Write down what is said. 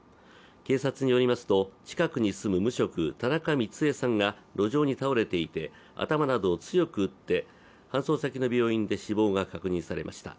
警察によりますと、近くに住む無職、田中ミツエさんが路上に倒れていて頭などを強く打って、搬送先の病院で死亡が確認されました。